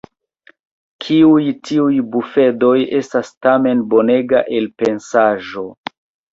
Kiel tiuj bufedoj estas tamen bonega elpensaĵo!